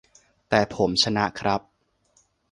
แต่ผมชนะครับ